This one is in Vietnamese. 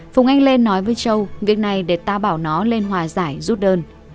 phùng anh lên nói với châu việc này để ta bảo nó lên hòa giải rút đơn